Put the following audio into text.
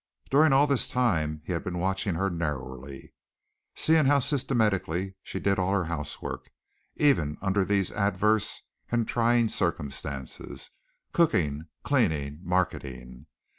During all this time he had been watching her narrowly, seeing how systematically she did all her own house work, even under these adverse and trying circumstances, cooking, cleaning, marketing.